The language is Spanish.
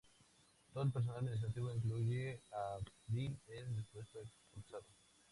Todo el personal administrativo, incluyendo a Bill, es depuesto y expulsado.